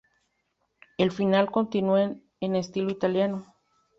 El final continúa en estilo italiano.